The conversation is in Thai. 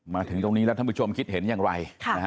มาถึงตรงนี้แล้วท่านผู้ชมคิดเห็นอย่างไร